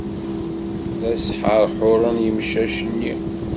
La sḥerḥuren yemcac-nni.